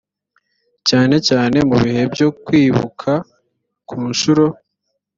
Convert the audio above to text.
cyane cyane mu bihe byo kwibuka ku nshuro